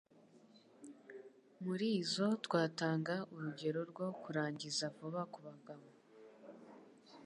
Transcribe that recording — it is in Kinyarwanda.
Muri izo twatanga urugero rwo kurangiza vuba ku bagabo